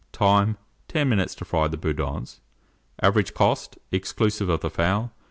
Time. 10 minutes to fry the boudins. Average cost, exclusive of the fowl, 1s.